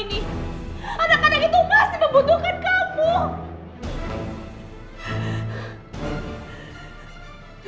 anak anak itu masih membutuhkan kamu